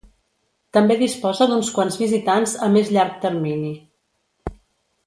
També disposa d'uns quants visitants a més llarg termini.